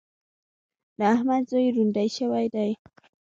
د احمد زوی روندی شوی دی.